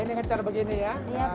ini ngecor begini ya